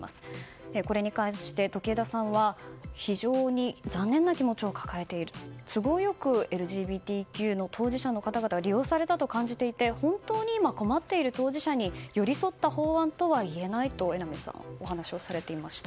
これに関して、時枝さんは非常に残念な気持ちを抱えている都合良くＬＧＢＴＱの当事者の方々が利用されたと感じていて本当に今、困っている当事者に寄り添った法案とは言えないとお話しされていました。